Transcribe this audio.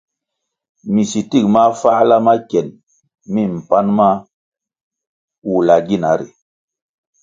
Minsitik mafáhla ma kien mi mpan ma wula gina ri.